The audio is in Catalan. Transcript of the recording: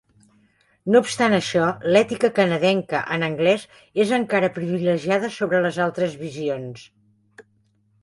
No obstant això, l'ètica canadenca en anglès és encara privilegiada sobre les altres visions.